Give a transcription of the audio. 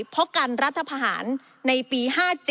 เพราะการรัฐพาหารในปี๕๗